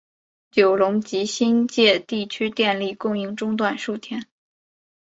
九龙及新界地区电力供应中断数天。